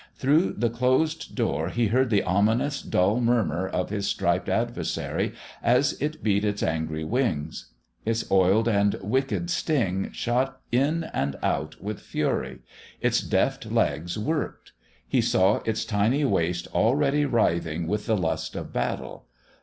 Through the closed door he heard the ominous, dull murmur of his striped adversary as it beat its angry wings. Its oiled and wicked sting shot in and out with fury. Its deft legs worked. He saw its tiny waist already writhing with the lust of battle.